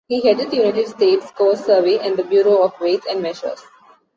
He headed the United States Coast Survey and the Bureau of Weights and Measures.